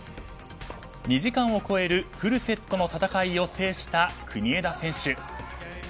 ２時間を超えるフルセットの戦いを制した国枝選手。